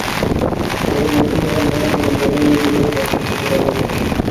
তবে নতুন যাঁরা মেয়র হবেন, তাঁদের নিয়ে নিজের প্রত্যাশার কথা বলতে পারি।